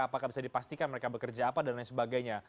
apakah bisa dipastikan mereka bekerja apa dan lain sebagainya